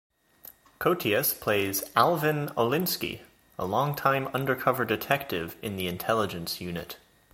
Koteas plays Alvin Olinsky, a longtime undercover detective in the Intelligence Unit.